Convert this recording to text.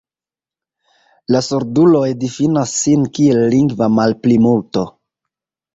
La surduloj difinas sin kiel lingva malplimulto.